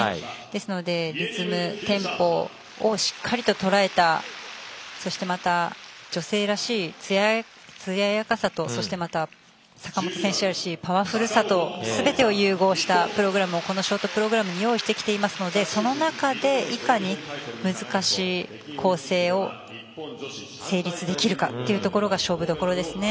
ですのでリズムテンポをしっかりととらえたそしてまた女性らしいつややかさと坂本選手らしいパワフルさとすべてを融合したプログラムをこのショートプログラムに用意してきていますのでその中でいかに難しい構成を成立できるかというところが勝負どころですね。